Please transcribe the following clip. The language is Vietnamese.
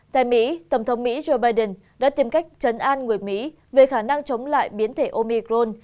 tại mỹ tổng thống mỹ joe biden đã tìm cách chấn an người mỹ về khả năng chống lại biến thể omicron